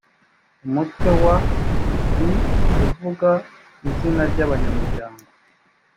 umutwe wa i uvuga izina ry’abanyamuryango